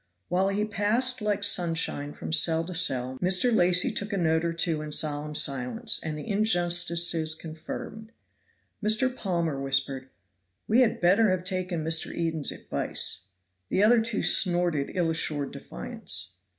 While he passed like sunshine from cell to cell, Mr. Lacy took a note or two in solemn silence, and the injustices conferred. Mr. Palmer whispered, "We had better have taken Mr. Eden's advice." The other two snorted ill assured defiance.